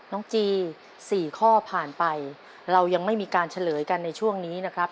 จี๔ข้อผ่านไปเรายังไม่มีการเฉลยกันในช่วงนี้นะครับ